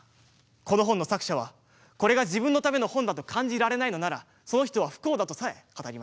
この本の作者はこれが自分のための本だと感じられないのならその人は不幸だとさえ語りました。